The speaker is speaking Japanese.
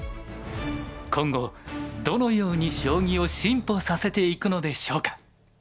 今後どのように将棋を進歩させていくのでしょうか。